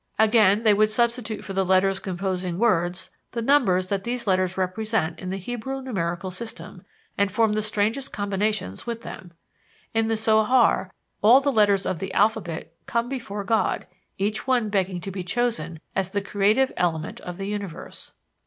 Again, they would substitute for the letters composing words the numbers that these letters represent in the Hebrew numerical system and form the strangest combinations with them. In the Zohar, all the letters of the alphabet come before God, each one begging to be chosen as the creative element of the universe.